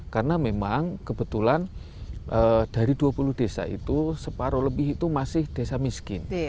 karena memang kebetulan dari dua puluh desa itu separuh lebih itu masih desa miskin